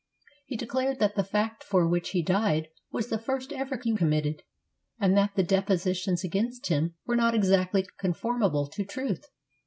He declared that the fact for which he died was the first he ever committed, and that the depositions against him were not exactly conformable to truth.